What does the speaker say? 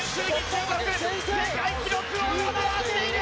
世界記録を上回っている。